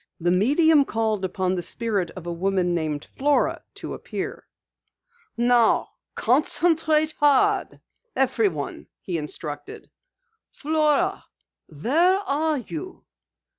The medium called upon the spirit of a woman named Flora to appear. "Now concentrate hard everyone," he instructed. "Flora, where are you?